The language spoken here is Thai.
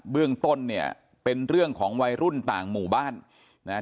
เรื่องต้นเนี่ยเป็นเรื่องของวัยรุ่นต่างหมู่บ้านนะฮะ